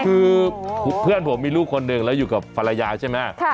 คือเพื่อนผมมีลูกคนหนึ่งแล้วอยู่กับภรรยาใช่ไหม